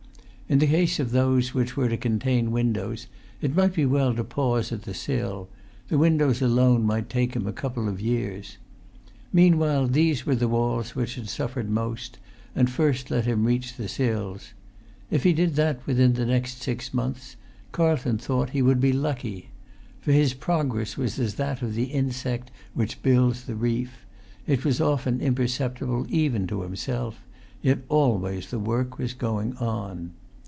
In the case of those which were to contain windows, it might be well to pause at the sill; the windows alone might take him a couple of years. Meanwhile these were the walls which had suffered[Pg 211] most, and first let him reach the sills: if he did that within the next six months Carlton thought he would be lucky. For his progress was as that of the insect which builds the reef; it was often imperceptible even to himself; yet always the work was going on.